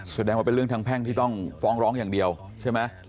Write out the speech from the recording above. แสดงว่าเป็นเรื่องทางแพ่งที่ต้องฟ้องร้องอย่างเดียวใช่ไหม